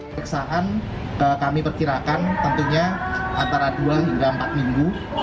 periksaan kami perkirakan tentunya antara dua hingga empat minggu